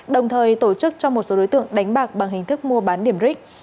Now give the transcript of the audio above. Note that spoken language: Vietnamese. đồng thời tổ chức cho một số đối tượng đánh bạc bằng hình thức mua bán điểm ric